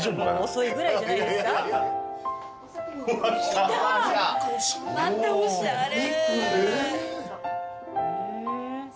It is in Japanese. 遅いぐらいじゃないですか？来た！またおしゃれ。